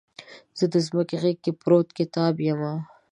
زه دمځکې غیږ کې پروت کتاب یمه